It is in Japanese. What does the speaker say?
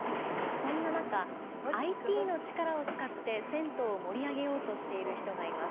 そんな中、ＩＴの力を使って銭湯を盛り上げようとしている人がいます。